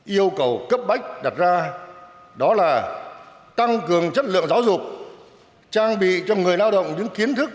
yêu cầu cấp bách đặt ra đó là tăng cường chất lượng giáo dục trang bị cho người lao động những kiến thức